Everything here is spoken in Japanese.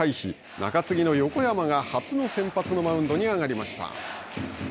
中継ぎの横山が初の先発のマウンドに上がりました。